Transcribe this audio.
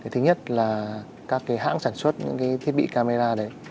thứ nhất là các hãng sản xuất những thiết bị camera